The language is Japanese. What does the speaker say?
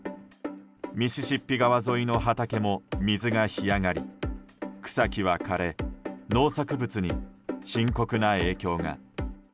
ミシシッピ川沿いの畑も水が干上がり草木は枯れ農作物に深刻な影響が。